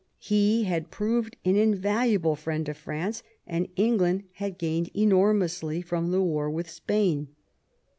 He had proved an invaluable friend to France, and England had gained enormously from the war with Spain.